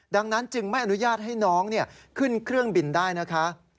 ดังนั้นจึงไม่อนุญาตให้น้องขึ้นเครื่องบินได้นะคะ